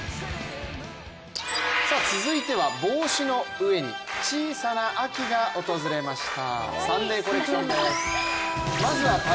続いては帽子の上に小さな秋が訪れました。